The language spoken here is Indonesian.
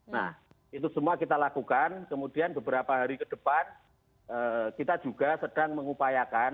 nah itu semua kita lakukan kemudian beberapa hari ke depan kita juga sedang mengupayakan